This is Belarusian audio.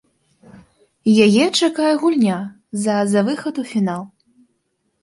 Яе чакае гульня за за выхад у фінал.